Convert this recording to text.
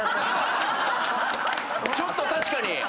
ちょっと確かに！